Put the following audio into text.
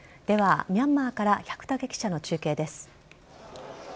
では、ミャンマーから百武記者の中継です。